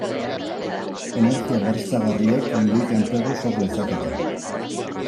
Energia berriztagarriek milioika enplegu sor lezakete.